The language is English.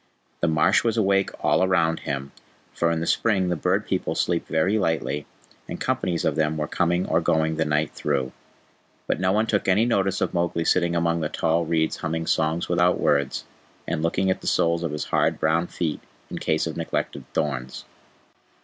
The marsh was awake all round him, for in the spring the Bird People sleep very lightly, and companies of them were coming or going the night through. But no one took any notice of Mowgli sitting among the tall reeds humming songs without words, and looking at the soles of his hard brown feet in case of neglected thorns.